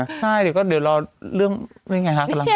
ใช่เดี๋ยวก็เดี๋ยวรอเรื่องเป็นยังไงคะ